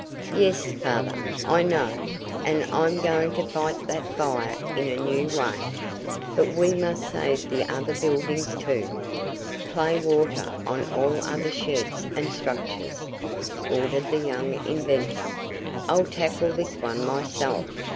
"Yes, Father, I know. And I'm going to fight that fire in a new way. But we must save the other buildings, too. Play water on all the other sheds and structures!" ordered the young inventor. "I'll tackle this one myself.